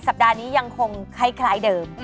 สัปดาห์นี้คงคล้ายเดิม